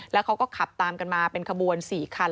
แล้วเขาก็ขับตามกันมาเป็นขบวน๔คัน